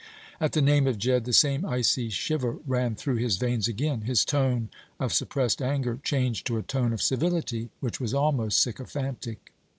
At the name of Jedd the same icy shiver ran through his veins again. His tone of suppressed anger changed to a tone of civility which was almost sycophantic.